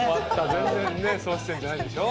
全然総出演じゃないでしょ。